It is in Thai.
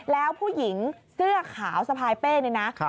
แล้วผู้หญิงเสื้อขาวสะพายเป้นี่นะ